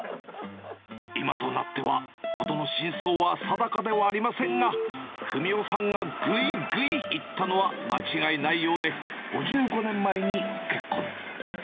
今となっては、事の真相は定かではありませんが、文雄さんがぐいぐいいったのは間違いないようで、５５年前に結婚。